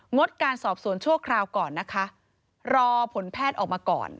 ดการสอบสวนชั่วคราวก่อนนะคะรอผลแพทย์ออกมาก่อน